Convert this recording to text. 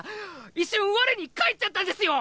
一瞬我に返っちゃったんですよ！